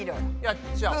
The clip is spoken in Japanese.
やっちゃう。